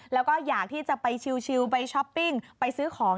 แล้วก็อยากที่จะไปชิลไปช้อปปิ้งไปซื้อของ